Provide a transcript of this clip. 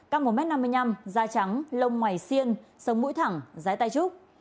căng một m năm mươi năm da trắng lông mày xiên sông mũi thẳng dái tai trúc